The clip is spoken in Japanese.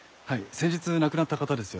先日亡くなった方ですよね。